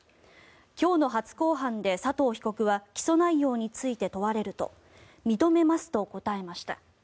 今日の初公判で佐藤被告は起訴内容について問われると認めますと答えました。